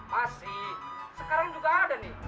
masih sekarang juga ada nih